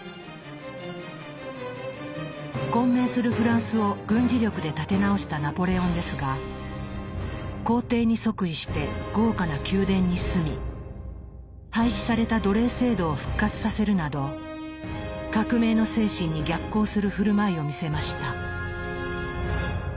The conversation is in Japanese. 混迷するフランスを軍事力で立て直したナポレオンですが皇帝に即位して豪華な宮殿に住み廃止された奴隷制度を復活させるなど革命の精神に逆行する振る舞いを見せました。